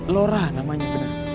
lora namanya bener